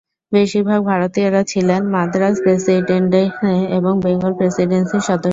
বেশিরভাগ ভারতীয়রা ছিলেন মাদ্রাজ প্রেসিডেন্সি এবং বেঙ্গল প্রেসিডেন্সির সদস্য।